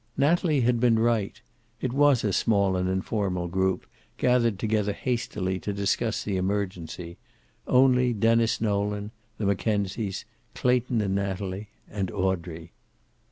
Natalie had been right. It was a small and informal group, gathered together hastily to discuss the emergency; only Denis Nolan, the Mackenzies, Clayton and Natalie, and Audrey.